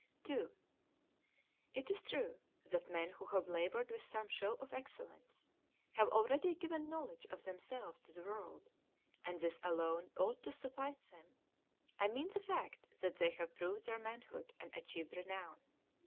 II IT is true that men who have laboured with some show of excellence, have already given knowledge of themselves to the world; and this alone ought to suffice them; I mean the fact that they have proved their manhood and achieved renown.